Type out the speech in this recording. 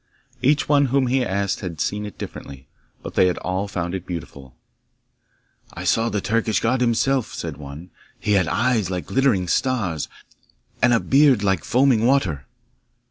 Each one whom he asked had seen it differently, but they had all found it beautiful. 'I saw the Turkish god himself,' said one. 'He had eyes like glittering stars, and a beard like foaming water.